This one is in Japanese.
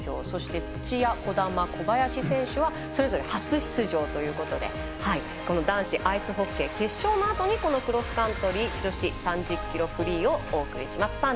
そして、土屋、児玉、小林選手はそれぞれ初出場ということで男子アイスホッケー決勝のあとにクロスカントリー女子３０ｋｍをお送りします。